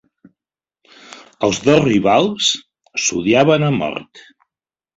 Els dos rivals s'odiaven a mort.